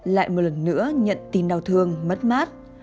lại một lần nữa nhận tin đau thương mất mát